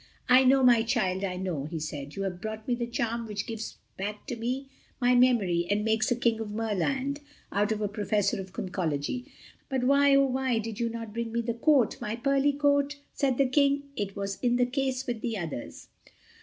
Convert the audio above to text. "I know, my child, I know," he said. "You have brought me the charm which gives back to me my memory and makes a King of Merland out of a Professor of Conchology. But why, oh why, did you not bring me my coat—my pearly coat?" said the King, "it was in the case with the others."